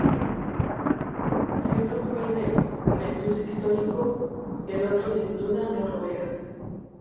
Si uno fue el Jesús histórico, el otro sin duda no lo era.